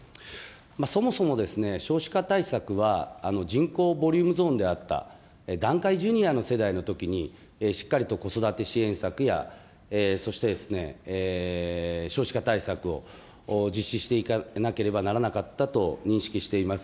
そもそも少子化対策は人口ボリュームゾーンであった団塊ジュニアの世代のときに、しっかりと子育て支援策やそして少子化対策を実施していかなければならなかったと認識しています。